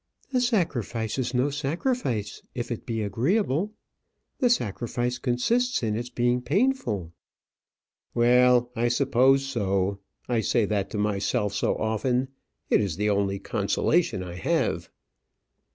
"A sacrifice is no sacrifice if it be agreeable. The sacrifice consists in its being painful." "Well, I suppose so. I say that to myself so often. It is the only consolation I have."